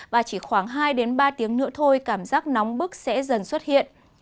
và chỉ khoảng hai ba tiếng nữa thôi cảm giác nóng bức sẽ dần xuất hiện